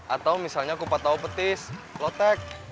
atau misalnya kupat tahu petis lotek